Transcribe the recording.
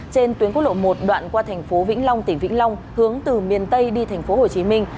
trên tuyến quốc lộ một đoạn qua thành phố vĩnh long tỉnh vĩnh long hướng từ miền tây đi thành phố hồ chí minh